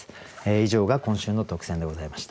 以上が今週の特選でございました。